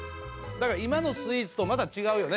今のスイーツとまた違うよね。